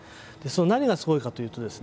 何がすごいかというとですね